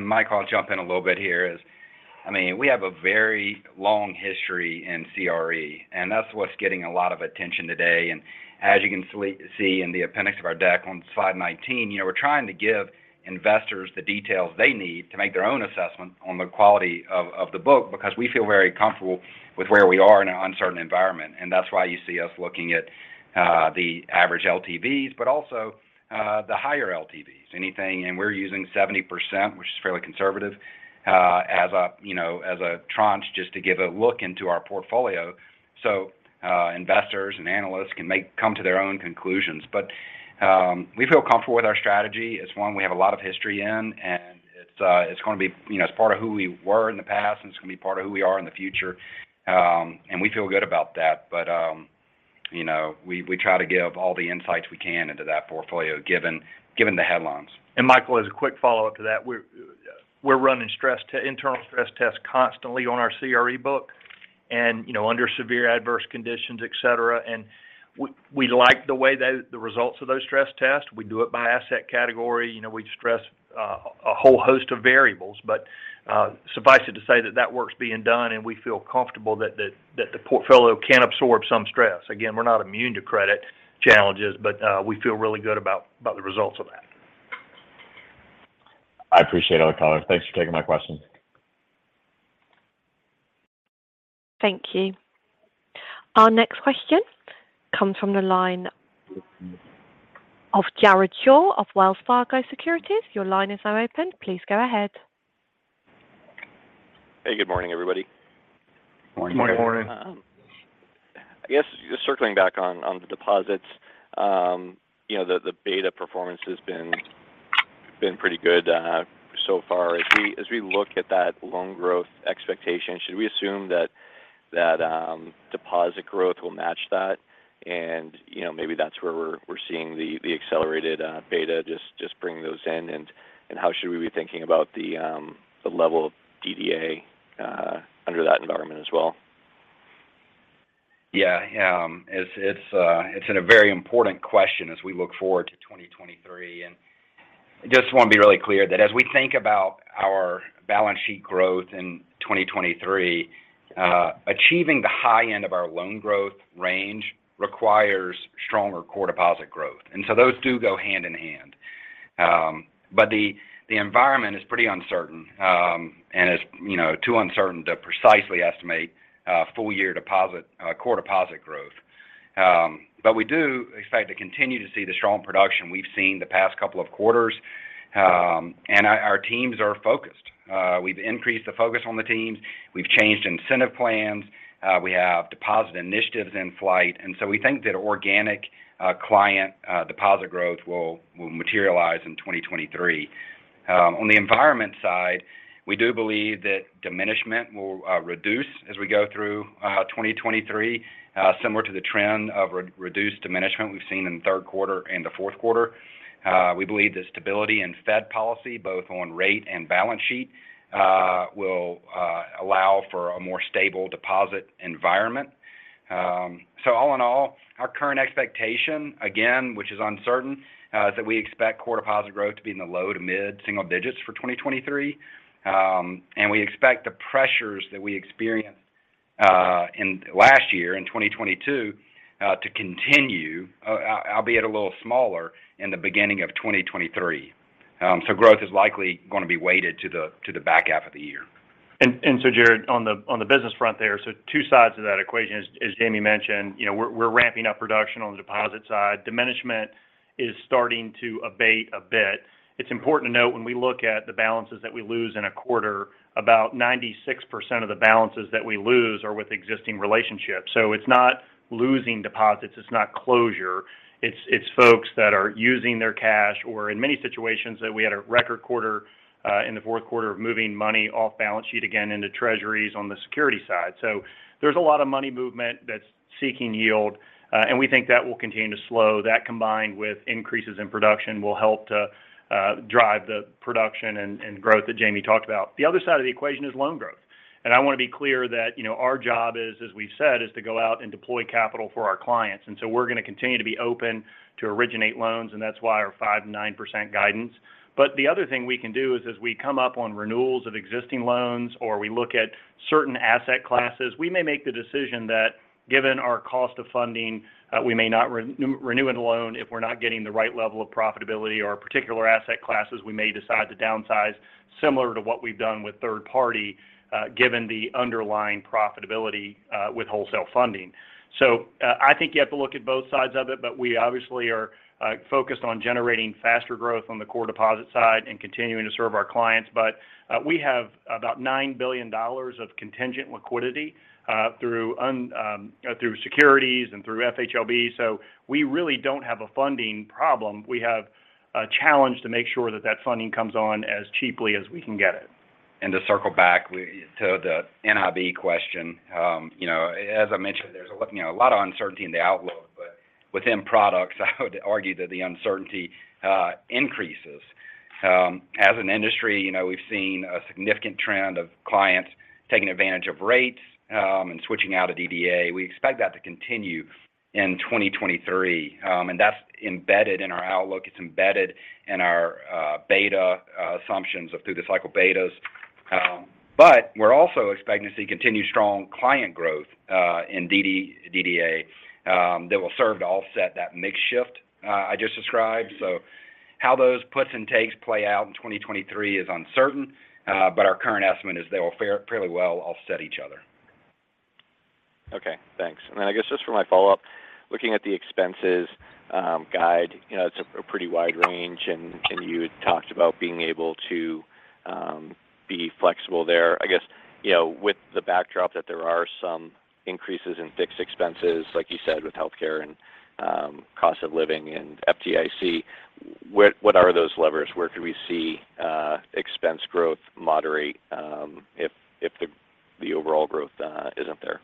Mike, I'll jump in a little bit here as, I mean, we have a very long history in CRE, and that's what's getting a lot of attention today. As you can see in the appendix of our deck on slide 19 we're trying to give investors the details they need to make their own assessment on the quality of the book because we feel very comfortable with where we are in an uncertain environment. That's why you see us looking at the average LTVs, but also the higher LTVs. we're using 70%, which is fairly conservative, as a as a tranche just to give a look into our portfolio so investors and analysts can come to their own conclusions. We feel comfortable with our strategy. It's one we have a lot of history in, and it's gonna be it's part of who we were in the past, and it's gonna be part of who we are in the future. We feel good about that. You know, we try to give all the insights we can into that portfolio given the headlines. Michael, as a quick follow-up to that, we're running internal stress tests constantly on our CRE book and under severe adverse conditions, et cetera. We like the way the results of those stress tests. We do it by asset category. You know, we stress a whole host of variables. Suffice it to say that that work's being done, and we feel comfortable that the portfolio can absorb some stress. Again, we're not immune to credit challenges, but we feel really good about the results of that. I appreciate all the color. Thanks for taking my questions. Thank you. Our next question comes from the line of Jared Shaw of Wells Fargo Securities. Your line is now open. Please go ahead. Hey, good morning, everybody. Good morning. Good morning. I guess just circling back on the deposits the beta performance has been pretty good so far. As we look at that loan growth expectation, should we assume that deposit growth will match that? You know, maybe that's where we're seeing the accelerated beta just bringing those in. How should we be thinking about the level of DDA under that environment as well? Yeah. It's in a very important question as we look forward to 2023. I just want to be really clear that as we think about our balance sheet growth in 2023, achieving the high end of our loan growth range requires stronger core deposit growth. Those do go hand in hand. The environment is pretty uncertain, and it's too uncertain to precisely estimate full year deposit, core deposit growth. We do expect to continue to see the strong production we've seen the past couple of quarters, and our teams are focused. We've increased the focus on the teams. We've changed incentive plans. We have deposit initiatives in flight, and so we think that organic client deposit growth will materialize in 2023. On the environment side, we do believe that diminishment will reduce as we go through 2023, similar to the trend of reduced diminishment we've seen in the third quarter and the fourth quarter. We believe that stability in Fed policy, both on rate and balance sheet, will allow for a more stable deposit environment. All in all, our current expectation, again, which is uncertain, is that we expect core deposit growth to be in the low to mid single digits for 2023. We expect the pressures that we experienced in last year, in 2022, to continue, albeit a little smaller in the beginning of 2023. Growth is likely gonna be weighted to the, to the back half of the year. Jared, on the business front there, two sides of that equation Jamie mentioned we're ramping up production on the deposit side. Diminishment is starting to abate a bit. It's important to note when we look at the balances that we lose in a quarter, about 96% of the balances that we lose are with existing relationships. It's not losing deposits, it's not closure, it's folks that are using their cash, or in many situations that we had a record quarter in the fourth quarter of moving money off balance sheet again into treasuries on the security side. There's a lot of money movement that's seeking yield, and we think that will continue to slow. That combined with increases in production will help to drive the production and growth that Jamie talked about. The other side of the equation is loan growth. I wanna be clear that our job is, as we've said, is to go out and deploy capital for our clients. We're gonna continue to be open to originate loans, and that's why our 5% and 9% guidance. The other thing we can do is as we come up on renewals of existing loans or we look at certain asset classes, we may make the decision that given our cost of funding, we may not renew an loan if we're not getting the right level of profitability or particular asset classes, we may decide to downsize similar to what we've done with third party, given the underlying profitability with wholesale funding. I think you have to look at both sides of it, we obviously are focused on generating faster growth on the core deposit side and continuing to serve our clients. We have about $9 billion of contingent liquidity through securities and through FHLB. We really don't have a funding problem. We have a challenge to make sure that that funding comes on as cheaply as we can get it. To circle back to the NIM question as I mentioned, there's you know, a lot of uncertainty in the outlook, but within products, I would argue that the uncertainty increases. As an industry we've seen a significant trend of clients taking advantage of rates and switching out of DDA. We expect that to continue in 2023. That's embedded in our outlook. It's embedded in our beta assumptions of through the cycle betas. We're also expecting to see continued strong client growth in DDA that will serve to offset that mix shift I just described. How those puts and takes play out in 2023 is uncertain, but our current estimate is they will fairly well offset each other. Okay, thanks. Then I guess just for my follow-up, looking at the expenses, guide it's a pretty wide range and you had talked about being able to be flexible there. I guess with the backdrop that there are some increases in fixed expenses, like you said with healthcare and cost of living and FDIC, what are those levers? Where do we see expense growth moderate, if the overall growth isn't there?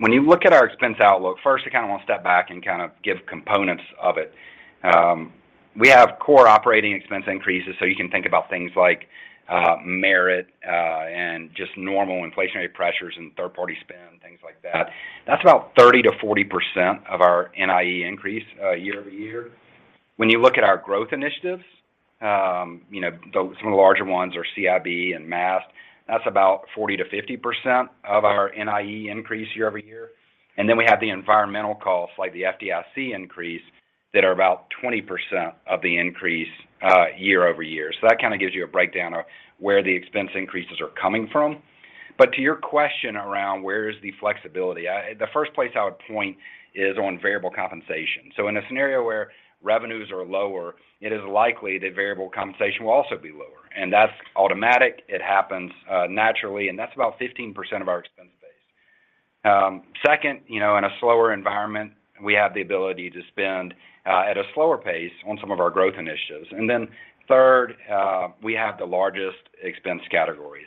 When you look at our expense outlook, first I kind of wanna step back and kind of give components of it. We have core operating expense increases, so you can think about things like merit and just normal inflationary pressures and third party spend, things like that. That's about 30%-40% of our NIE increase year-over-year. When you look at our growth initiatives some of the larger ones are CIB and Maast, that's about 40%-50% of our NIE increase year-over-year. Then we have the environmental costs like the FDIC increase that are about 20% of the increase year-over-year. That kind of gives you a breakdown of where the expense increases are coming from. To your question around where is the flexibility, the first place I would point is on variable compensation. In a scenario where revenues are lower, it is likely that variable compensation will also be lower. That's automatic. It happens naturally, and that's about 15% of our expense base. Second in a slower environment, we have the ability to spend at a slower pace on some of our growth initiatives. Third, we have the largest expense categories.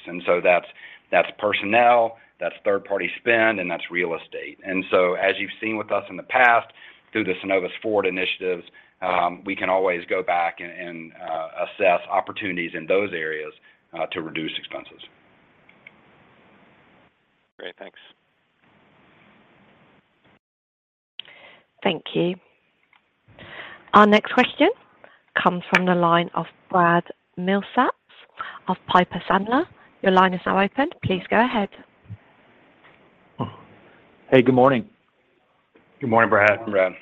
That's personnel, that's third party spend, and that's real estate. As you've seen with us in the past through the Synovus Forward initiatives, we can always go back and assess opportunities in those areas to reduce expenses. Great. Thanks. Thank you. Our next question comes from the line of Brad Milsaps of Piper Sandler. Your line is now open. Please go ahead. Hey, good morning. Good morning, Brad. Good morning,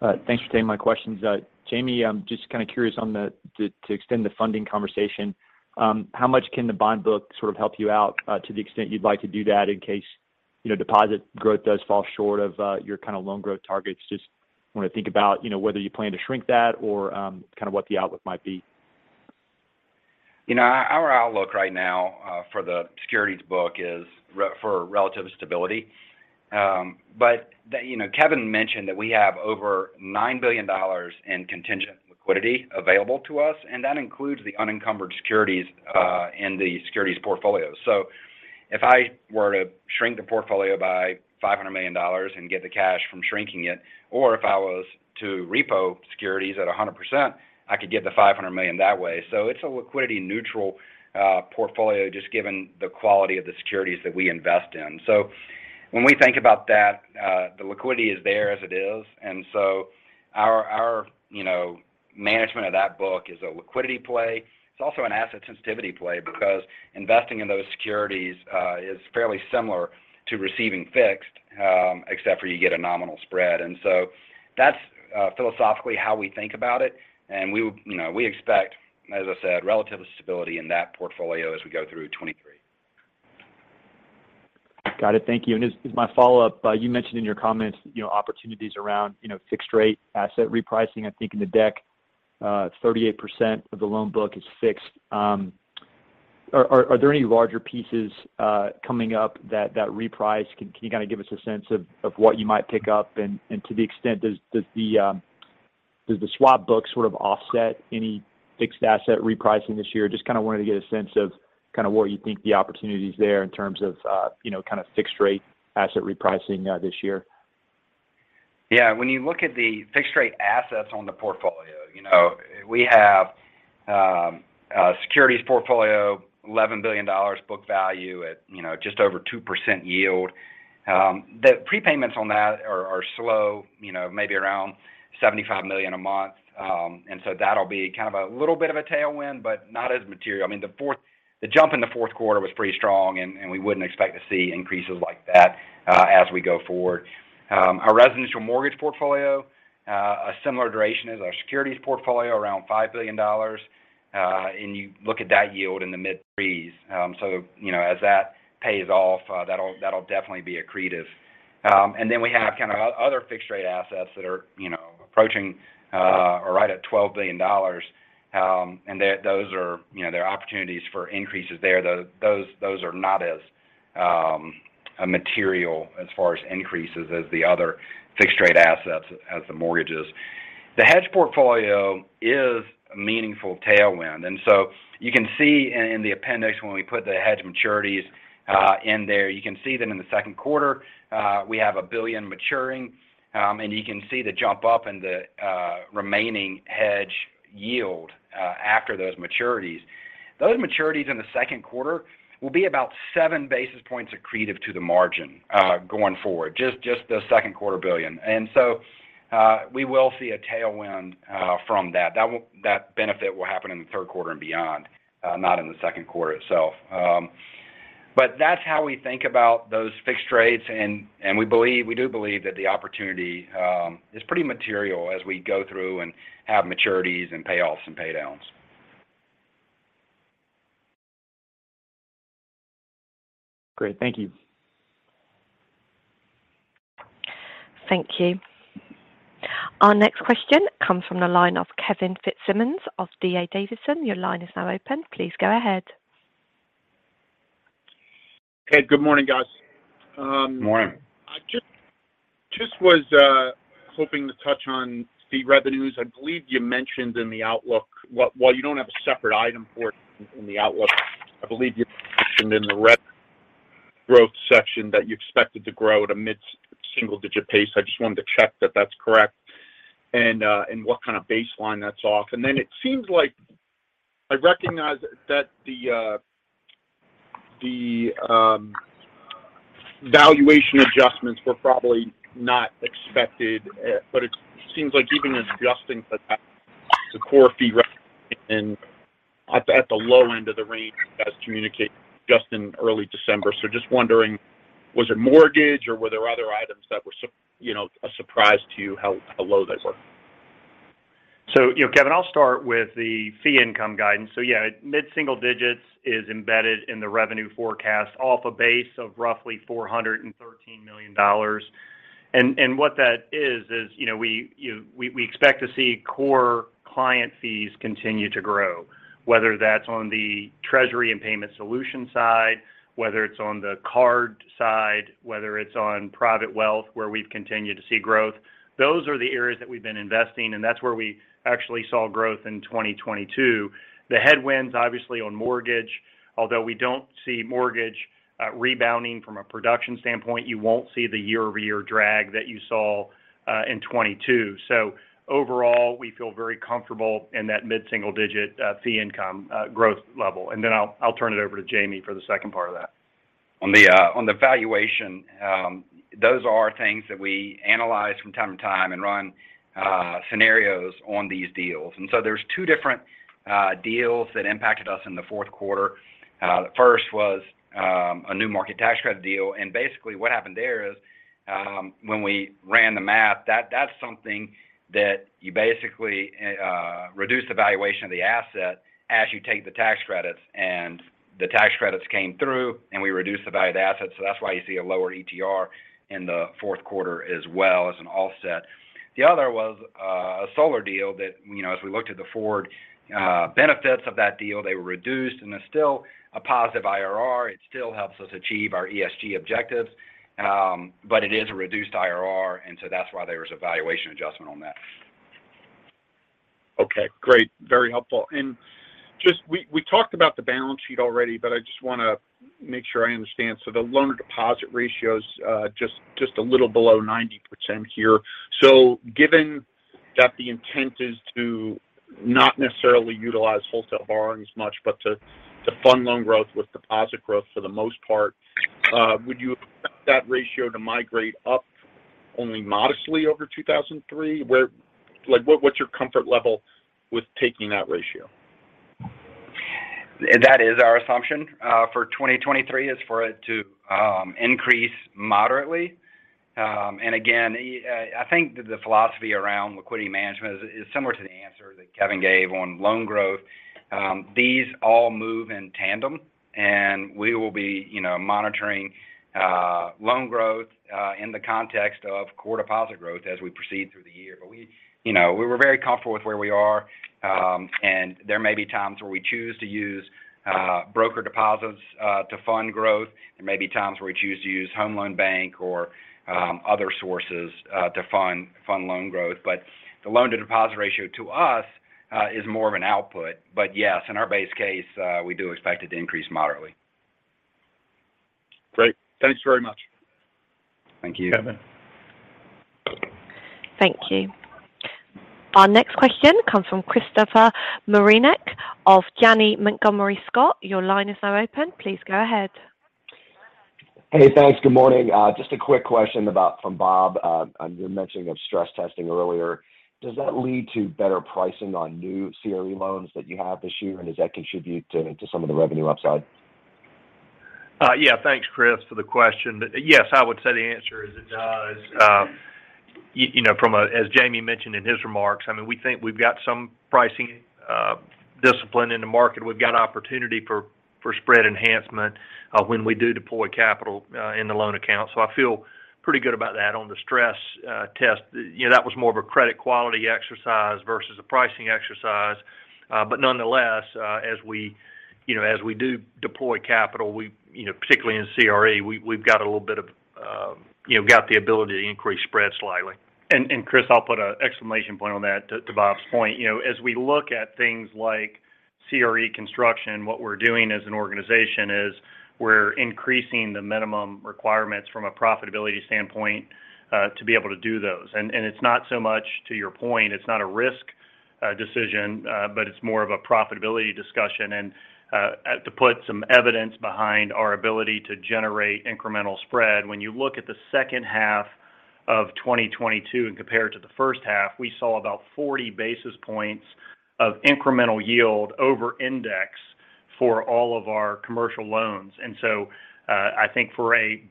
Brad. Thanks for taking my questions. Jamie, I'm just kind of curious on to extend the funding conversation. How much can the bond book sort of help you out to the extent you'd like to do that in case deposit growth does fall short of your kind of loan growth targets? Just wanna think about whether you plan to shrink that or kind of what the outlook might be. You know, our outlook right now for the securities book is for relative stability. You know, Kevin mentioned that we have over $9 billion in contingent liquidity available to us, and that includes the unencumbered securities in the securities portfolio. If I were to shrink the portfolio by $500 million and get the cash from shrinking it, or if I was to repo securities at 100%, I could get the $500 million that way. It's a liquidity neutral portfolio just given the quality of the securities that we invest in. When we think about that, the liquidity is there as it is. Our management of that book is a liquidity play. It's also an asset sensitivity play because investing in those securities, is fairly similar to receiving fixed, except for you get a nominal spread. So that's philosophically how we think about it. We expect, as I said, relative stability in that portfolio as we go through 2023. Got it. Thank you. As my follow-up, you mentioned in your comments opportunities around fixed rate asset repricing. I think in the deck, 38% of the loan book is fixed. Are there any larger pieces coming up that reprice? Can you kind of give us a sense of what you might pick up? To the extent, does the swap book sort of offset any fixed asset repricing this year? Just kind of wanted to get a sense of kind of what you think the opportunity is there in terms of kind of fixed rate asset repricing this year. Yeah. When you look at the fixed rate assets on the portfolio we have securities portfolio, $11 billion book value at just over 2% yield. The prepayments on that are slow maybe around $75 million a month. That'll be kind of a little bit of a tailwind, but not as material. I mean, the jump in the fourth quarter was pretty strong and we wouldn't expect to see increases like that as we go forward. Our residential mortgage portfolio, a similar duration as our securities portfolio, around $5 billion. You look at that yield in the mid-3s. You know, as that pays off, that'll definitely be accretive. Then we have kind of other fixed rate assets that are approaching, or right at $12 billion. Those are there are opportunities for increases there. Those are not as material as far as increases as the other fixed rate assets as the mortgages. The hedge portfolio is a meaningful tailwind. You can see in the appendix when we put the hedge maturities in there, you can see that in the second quarter, we have $1 billion maturing, and you can see the jump up in the remaining hedge yield after those maturities. Those maturities in the second quarter will be about 7 basis points accretive to the margin, going forward, just the second quarter, $1 billion. We will see a tailwind from that. That benefit will happen in the third quarter and beyond, not in the second quarter itself. That's how we think about those fixed rates and we believe, we do believe that the opportunity is pretty material as we go through and have maturities and payoffs and pay downs. Great. Thank you. Thank you. Our next question comes from the line of Kevin Fitzsimmons of D.A. Davidson. Your line is now open. Please go ahead. Hey, good morning, guys. Morning. I just was hoping to touch on the revenues. I believe you mentioned in the outlook. While you don't have a separate item for it in the outlook, I believe you mentioned in the rev growth section that you expected to grow at a mid-single digit pace. I just wanted to check that that's correct and what kind of baseline that's off. It seems like I recognize that the valuation adjustments were probably not expected, but it seems like even adjusting for that, the core fee and at the low end of the range as communicated just in early December. Just wondering, was it mortgage or were there other items that were you know, a surprise to how low they were? You know, Kevin, I'll start with the fee income guidance. Yeah, mid-single digits is embedded in the revenue forecast off a base of roughly $413 million. What that is we expect to see core client fees continue to grow, whether that's on the treasury and payment solution side, whether it's on the card side, whether it's on private wealth, where we've continued to see growth. Those are the areas that we've been investing, and that's where we actually saw growth in 2022. The headwinds obviously on mortgage, although we don't see mortgage rebounding from a production standpoint, you won't see the year-over-year drag that you saw in 2022. Overall, we feel very comfortable in that mid-single digit fee income growth level. Then I'll turn it over to Jamie for the second part of that. On the valuation, those are things that we analyze from time to time and run scenarios on these deals. There's two different deals that impacted us in the fourth quarter. The first was a New Markets Tax Credit deal. Basically what happened there is, when we ran the math, that's something that you basically reduce the valuation of the asset as you take the tax credits. The tax credits came through, and we reduced the value of the asset. That's why you see a lower ETR in the fourth quarter as well as an offset. The other was a solar deal that as we looked at the forward benefits of that deal, they were reduced and they're still a positive IRR. It still helps us achieve our ESG objectives, but it is a reduced IRR, and so that's why there was a valuation adjustment on that. Okay, great. Very helpful. Just, we talked about the balance sheet already, but I just wanna make sure I understand. The loan-to-deposit ratio is just a little below 90% here. Given that the intent is to not necessarily utilize wholesale borrowing as much, but to fund loan growth with deposit growth for the most part, would you expect that ratio to migrate up only modestly over 2023? Where, like, what's your comfort level with taking that ratio? That is our assumption, for 2023, is for it to, increase moderately. Again, I think the philosophy around liquidity management is similar to the answer Kevin gave on loan growth. These all move in tandem, and we will be monitoring loan growth in the context of core deposit growth as we proceed through the year. But we we were very comfortable with where we are. And there may be times where we choose to use broker deposits to fund growth. There may be times where we choose to use Federal Home Loan Bank or other sources to fund loan growth. But the loan-to-deposit ratio to us is more of an output. But yes, in our base case, we do expect it to increase moderately. Great. Thanks very much. Thank you. Kevin. Thank you. Our next question comes from Christopher Marinac of Janney Montgomery Scott. Your line is now open. Please go ahead. Hey, thanks. Good morning. Just a quick question from Bob on your mentioning of stress testing earlier. Does that lead to better pricing on new CRE loans that you have this year? Does that contribute to some of the revenue upside? Yeah. Thanks, Chris, for the question. Yes, I would say the answer is it does. You know, from as Jamie mentioned in his remarks, I mean, we think we've got some pricing discipline in the market. We've got opportunity for spread enhancement when we do deploy capital in the loan account. I feel pretty good about that. On the stress test that was more of a credit quality exercise versus a pricing exercise. Nonetheless, as we as we do deploy capital, we particularly in CRE, we've got a little bit of got the ability to increase spread slightly. Chris, I'll put an exclamation point on that to Bob's point. You know, as we look at things like CRE construction, what we're doing as an organization is we're increasing the minimum requirements from a profitability standpoint, to be able to do those. It's not so much, to your point, it's not a risk decision, but it's more of a profitability discussion. To put some evidence behind our ability to generate incremental spread, when you look at the second half of 2022 and compare it to the first half, we saw about 40 basis points of incremental yield over index for all of our commercial loans. I think for a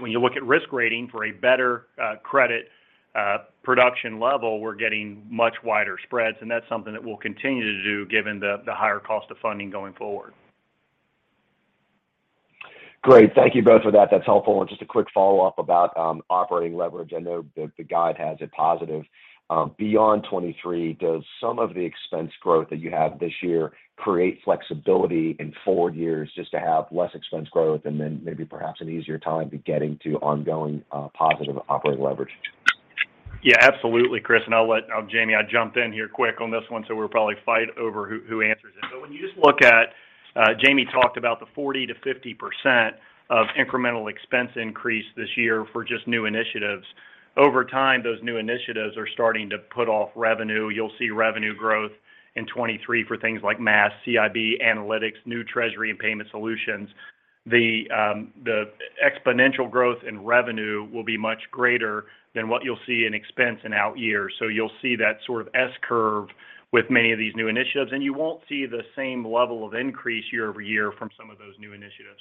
when you look at risk rating for a better credit production level, we're getting much wider spreads, and that's something that we'll continue to do given the higher cost of funding going forward. Great. Thank you both for that. That's helpful. Just a quick follow-up about operating leverage. I know the guide has it positive. Beyond 2023, does some of the expense growth that you have this year create flexibility in forward years just to have less expense growth and then maybe perhaps an easier time to getting to ongoing positive operating leverage? Yeah, absolutely, Chris. I'll let Jamie, I jumped in here quick on this one, so we'll probably fight over who answers it. When you just look at Jamie talked about the 40%-50% of incremental expense increase this year for just new initiatives. Over time, those new initiatives are starting to put off revenue. You'll see revenue growth in 2023 for things like MaaS, CIB, analytics, new treasury and payment solutions. The exponential growth in revenue will be much greater than what you'll see in expense in out years. You'll see that sort of S curve with many of these new initiatives, and you won't see the same level of increase year-over-year from some of those new initiatives.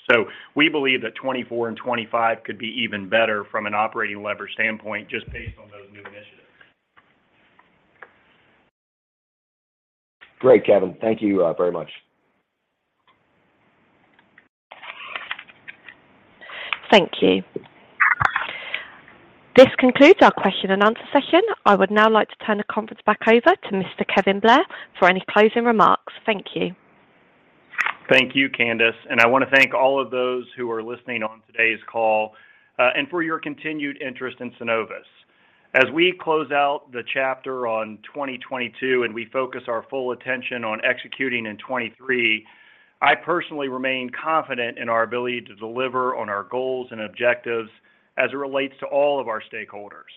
We believe that 2024 and 2025 could be even better from an operating leverage standpoint just based on those new initiatives. Great, Kevin. Thank you, very much. Thank you. This concludes our question and answer session. I would now like to turn the conference back over to Mr. Kevin Blair for any closing remarks. Thank you. Thank you, Candice. I want to thank all of those who are listening on today's call, and for your continued interest in Synovus. As we close out the chapter on 2022 and we focus our full attention on executing in 2023, I personally remain confident in our ability to deliver on our goals and objectives as it relates to all of our stakeholders.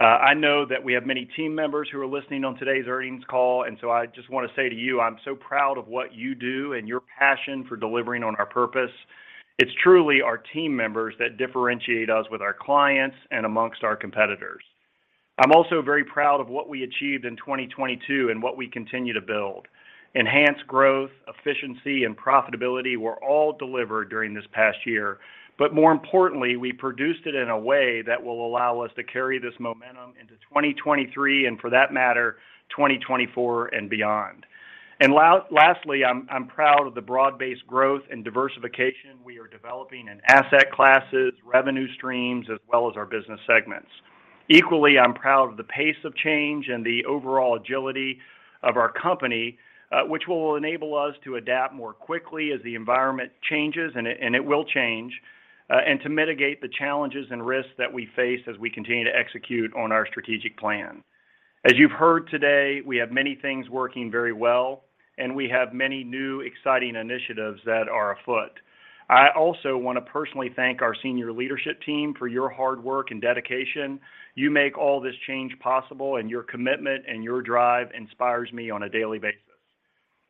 I know that we have many team members who are listening on today's earnings call. I just want to say to you, I'm so proud of what you do and your passion for delivering on our purpose. It's truly our team members that differentiate us with our clients and amongst our competitors. I'm also very proud of what we achieved in 2022 and what we continue to build. Enhanced growth, efficiency, and profitability were all delivered during this past year. More importantly, we produced it in a way that will allow us to carry this momentum into 2023, and for that matter, 2024 and beyond. Lastly, I'm proud of the broad-based growth and diversification we are developing in asset classes, revenue streams, as well as our business segments. Equally, I'm proud of the pace of change and the overall agility of our company, which will enable us to adapt more quickly as the environment changes, and it will change, and to mitigate the challenges and risks that we face as we continue to execute on our strategic plan. As you've heard today, we have many things working very well, and we have many new exciting initiatives that are afoot. I also want to personally thank our senior leadership team for your hard work and dedication. You make all this change possible, and your commitment and your drive inspires me on a daily basis.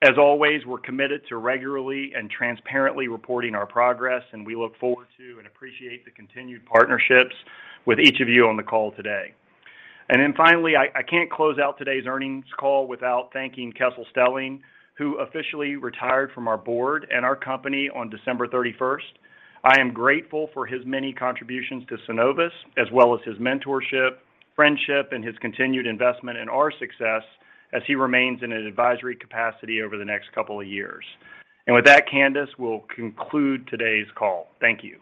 As always, we're committed to regularly and transparently reporting our progress, and we look forward to and appreciate the continued partnerships with each of you on the call today. Finally, I can't close out today's earnings call without thanking Kessel Stelling, who officially retired from our board and our company on December 31st. I am grateful for his many contributions to Synovus, as well as his mentorship, friendship, and his continued investment in our success as he remains in an advisory capacity over the next couple of years. With that, Candice, we'll conclude today's call. Thank you.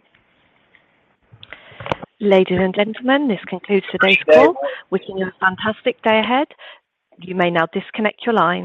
Ladies and gentlemen, this concludes today's call. Candice? Wishing you a fantastic day ahead. You may now disconnect your line.